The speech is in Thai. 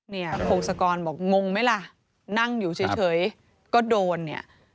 พงศกรบอกงงไหมล่ะนั่งอยู่เฉยก็โดนเนี่ย